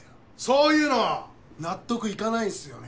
そういうの納得いかないんすよね。